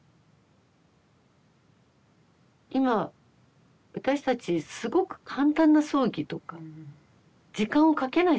今私たちすごく簡単な葬儀とか時間をかけない葬儀。